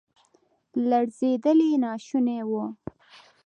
لړزیدل یې ناشوني وو.